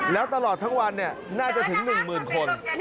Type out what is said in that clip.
แล้วตลอดทั้งวันน่าจะถึง๑๐๐๐คน